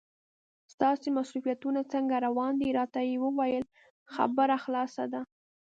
ستاسې مصروفیتونه څنګه روان دي؟ راته یې وویل خبره خلاصه ده.